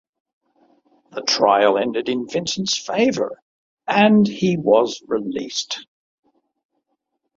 The trial ended in Vincent's favour, and he was released.